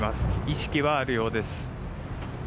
意識はあるようです。